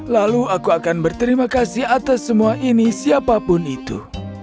lalu aku akan berterima kasih atas semua ini siapapun itu